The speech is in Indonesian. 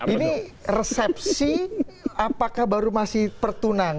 ini resepsi apakah baru masih pertunan